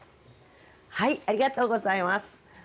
ありがとうございます。